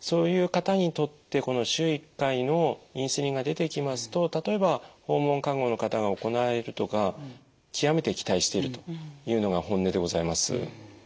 そういう方にとってこの週１回のインスリンが出てきますと例えば訪問看護の方が行えるとか極めて期待しているというのが本音でございます。